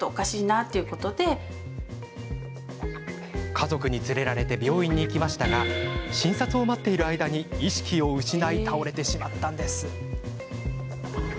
家族に連れられて病院に行きましたが診察を待っている間に意識を失い倒れてしまったのです。